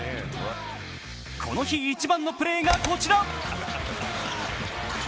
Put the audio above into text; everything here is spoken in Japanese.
この日一番のプレーがこちら。